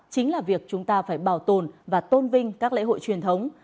chính là việc chúng ta phải bảo tồn và tôn vinh các lễ hội truyền thống